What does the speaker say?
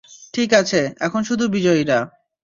ঠিক আছে, এখন শুধু বিজয়ীরা।